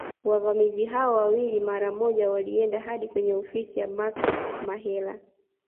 Wavamizi hao wawili mara moja walienda hadi kwenye ofisi ya Mark Mahela